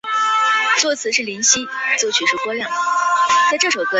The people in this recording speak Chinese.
主要城镇为隆勒索涅。